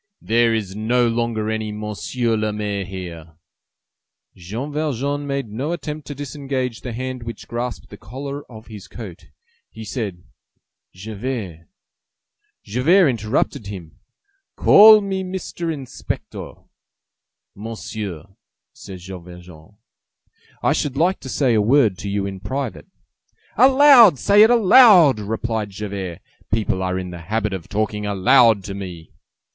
"There is no longer any Monsieur le Maire here!" Jean Valjean made no attempt to disengage the hand which grasped the collar of his coat. He said:— "Javert—" Javert interrupted him: "Call me Mr. Inspector." "Monsieur," said Jean Valjean, "I should like to say a word to you in private." "Aloud! Say it aloud!" replied Javert; "people are in the habit of talking aloud to me."